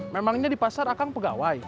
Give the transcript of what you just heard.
memangnya di pasar akang pegawai